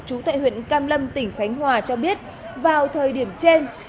chú tại huyện cam lâm tỉnh khánh hòa cho biết vào thời điểm trên